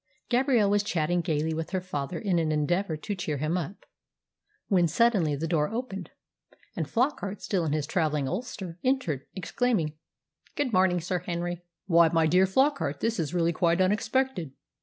Gabrielle was chatting gaily with her father in an endeavour to cheer him up, when suddenly the door opened, and Flockart, still in his travelling ulster, entered, exclaiming, "Good morning, Sir Henry." "Why, my dear Flockart, this is really quite unexpected.